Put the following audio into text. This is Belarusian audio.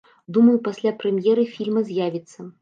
Думаю, пасля прэм'еры фільма з'явіцца.